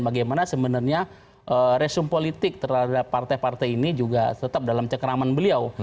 bagaimana sebenarnya resum politik terhadap partai partai ini juga tetap dalam cekeraman beliau